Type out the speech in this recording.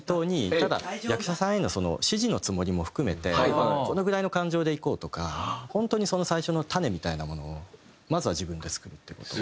ただ役者さんへの指示のつもりも含めてこのぐらいの感情でいこうとか本当に最初の種みたいなものをまずは自分で作るって事を。